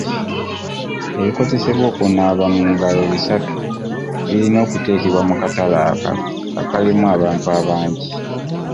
Ebikozesebwa okunaaba mu ngalo bisatu birina okuteekebwa mu katale ako akalimu abantu abangi.